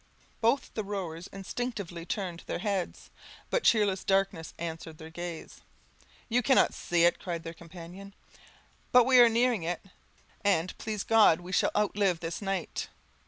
Both the rowers instinctively turned their heads, but cheerless darkness answered their gaze. "You cannot see it," cried their companion, 'but we are nearing it; and, please God, we shall outlive this night."